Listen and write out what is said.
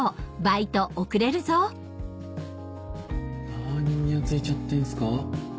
なにニヤついちゃってんすか？